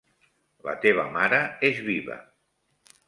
La teva mare és viva.